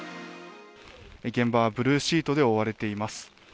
現場はブルーシートで覆われています。